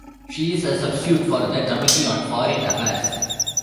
She is a substitute for the Committee on Foreign Affairs.